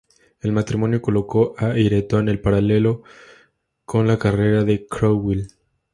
El matrimonio colocó a Ireton en paralelo con la carrera de Cromwell.